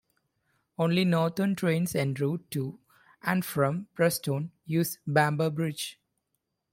Only Northern trains en route to and from Preston use Bamber Bridge.